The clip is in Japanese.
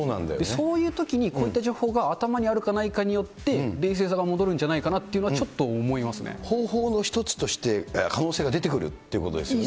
そういうときに、こういった情報が頭にあるかないかによって、冷静さが戻るんじゃないかなって方法の一つとして、可能性が出てくるということですよね。